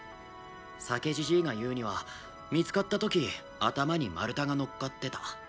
酒じじいが言うには見付かった時頭に丸太が乗っかってた。